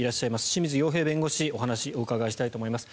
清水陽平弁護士にお話をお伺いします。